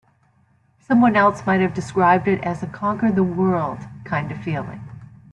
Someone else might have described it as a 'conquer-the-world' kind of feeling.